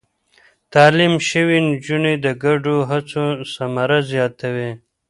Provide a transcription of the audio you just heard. تعليم شوې نجونې د ګډو هڅو ثمر زياتوي.